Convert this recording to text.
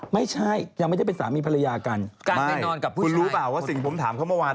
ไม่ใช่ยังไม่ได้เป็นสามีภรรยากันแน่นอนกับพื้นรู้เปล่าว่าสิ่งผมถามเขาเมื่อวาน